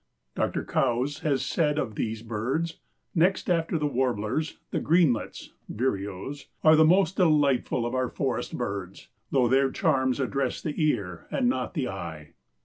Dr. Coues has said of these birds: "Next after the warblers the greenlets (vireos) are the most delightful of our forest birds, though their charms address the ear and not the eye.